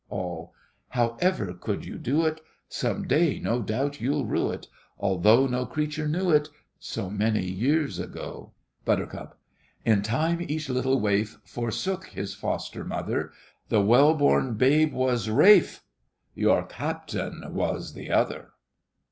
ALL. However could you do it? Some day, no doubt, you'll rue it, Although no creature knew it, So many years ago. BUT. In time each little waif Forsook his foster mother, The well born babe was Ralph— Your captain was the other!!!